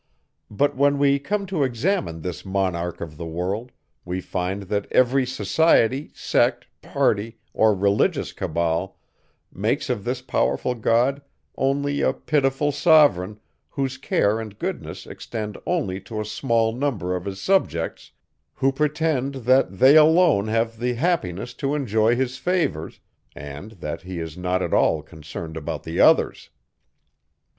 But when we come to examine this Monarch of the world, we find that every society, sect, party, or religious cabal, makes of this powerful God only a pitiful sovereign, whose care and goodness extend only to a small number of his subjects, who pretend that they alone have the happiness to enjoy his favours, and that he is not at all concerned about the others.